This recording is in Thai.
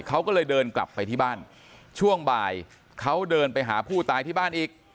เขาก็เลยเดินกลับไปที่บ้านช่วงบ่ายเขาเดินไปหาผู้ตายที่บ้านอีก